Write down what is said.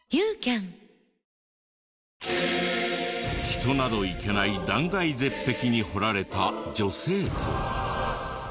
人など行けない断崖絶壁に彫られた女性像。